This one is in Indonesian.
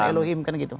ya tuhan elohim kan gitu